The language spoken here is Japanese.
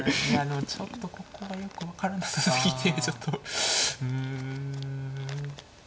ちょっとここがよく分からなさ過ぎてちょっとうんいや